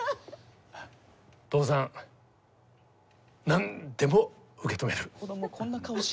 父さん何でも受け止める。